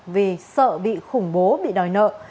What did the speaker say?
vì sợ bị khủng bố bị đòi nợ